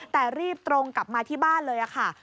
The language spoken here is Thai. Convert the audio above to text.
แต่รีบตรงกลับมาที่บ้านเลยค่ะ